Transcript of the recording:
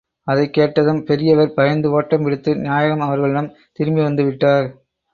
அதைக் கேட்டதும், பெரியவர் பயந்து ஓட்டம் பிடித்து நாயகம் அவர்களிடம் திரும்பி வந்து விட்டார்.